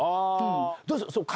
どうですか？